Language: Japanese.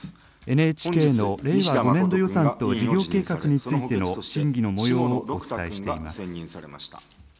ＮＨＫの令和５年度予算と事業計画についての審議のもようをお伝えしています。